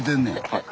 はい。